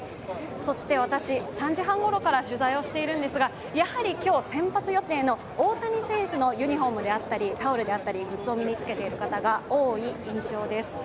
そして、私、１５時半ごろから取材をしているんですが、やはり今日、先発予定の大谷選手のユニフォームであったりタオルであったり、グッズを身につけている方が多い印象です。